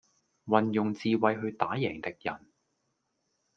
運用智慧去打贏敵人